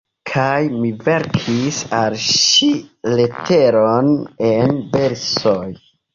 Kaj mi verkis al ŝi leteron en versoj».